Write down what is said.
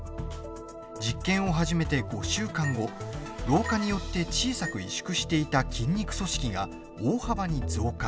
実験を始めて５週間後老化によって小さく委縮していた筋肉組織が大幅に増加。